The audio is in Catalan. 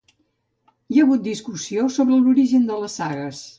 Hi ha hagut discussió sobre l'origen de les sagues.